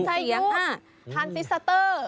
ทานซิสเตอร์